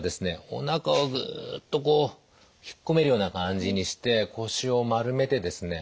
おなかをグッとこう引っ込めるような感じにして腰を丸めてですね